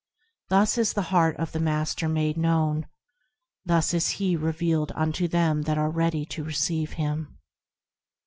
Thus is the heart of the Master made known, Thus is He revealed unto them that are ready to receive Him.